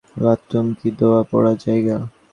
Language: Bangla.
বাথরুম কি দোয়া পড়ার জায়গা?